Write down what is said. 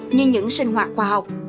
như những sinh hoạt khoa học